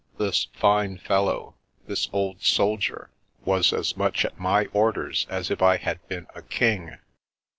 This fine fellow, this old soldier, was as much at my orders as if I had been a king.